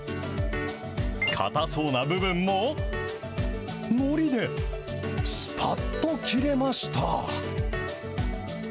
硬そうな部分も、のりですぱっと切れました。